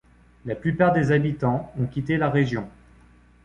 La plupart des habitants ont quitté la région.